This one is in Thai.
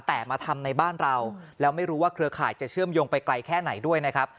แต่มาทำในบ้านเราแล้วไม่รู้ว่าเครือข่ายจะเชื่อมโยงไปไกลแค่ไหนด้วยนะครับ